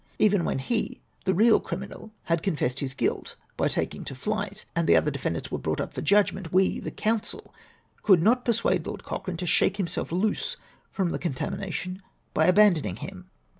Even when he, the real criminal, had confessed his guilt, by taking to flight, and the other de fendants were brought up for judgment, we, the coimsel, could not persuade Lord Cochrane to shake himself loose from the contamination by abandoning him.